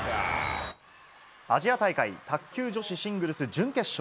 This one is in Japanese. アジア大会、卓球女子シングルス準決勝。